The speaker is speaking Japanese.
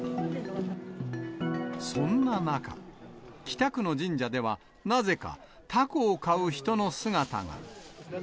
そんな中、北区の神社では、なぜかたこを買う人の姿が。